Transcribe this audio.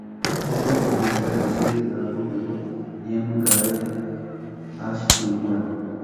Es el primer sencillo del álbum debut de Liam Gallagher, As You Were.